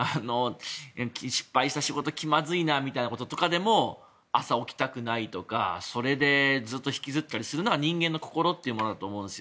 失敗した仕事気まずいなみたいなことでも朝、起きたくないとかずっと引きずったりするのが人間の心というものだと思うんですよ。